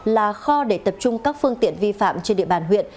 là kho để tập trung các phương tiện vi phạm trên địa bàn huyện